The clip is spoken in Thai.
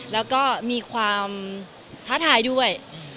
แล้วก็มีความท้าทายด้วย